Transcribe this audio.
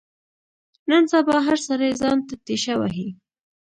نن سبا هر سړی ځان ته تېشه وهي.